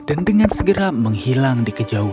itu akan tiba announcing sama bu